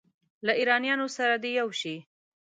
له ایرانیانو سره دې یو شي.